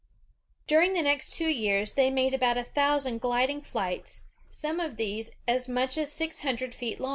During the next two years, they made about a thousand gliding flights, some of these as much as six hundred feet long.